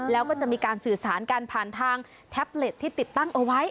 แล้วก็จะมีการสื่อสารกันผ่านทางแท็บเล็ตที่ติดตั้งเอาไว้